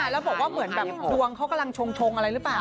แล้วบอกว่าเหมือนแบบดวงเขากำลังชงอะไรหรือเปล่า